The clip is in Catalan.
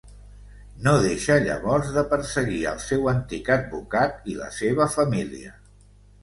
No deixa llavors de perseguir el seu antic advocat i la seva família.